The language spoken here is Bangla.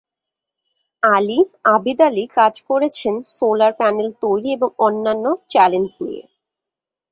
আলী আবিদালী কাজ করেছেন সোলার প্যানেল তৈরি এবং অন্যান্য চ্যালেঞ্জ নিয়ে।